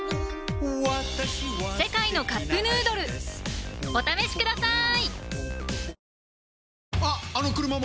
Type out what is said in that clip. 「世界のカップヌードル」お試しください！